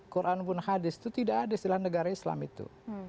quran pun hadis itu tidak ada istilah negara islam itu